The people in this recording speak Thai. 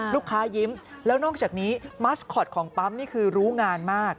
ยิ้มแล้วนอกจากนี้มัสคอตของปั๊มนี่คือรู้งานมาก